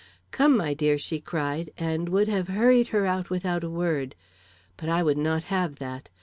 'Come, my dear,' she cried, and would have hurried her out without a word. But I would not have that.